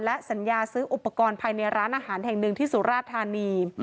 และสัญญาซื้ออุปกรณ์ภายในร้านอาหารแห่งหนึ่งที่สุราธานี